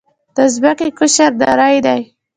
د ځمکې قشر نری دی.